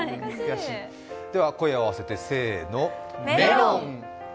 では声を合わせてせーの、メロン。